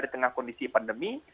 di tengah kondisi pandemi